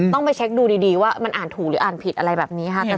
ต้องไปเช็คดูดีว่ามันอ่านถูกหรืออ่านผิดอะไรแบบนี้ค่ะ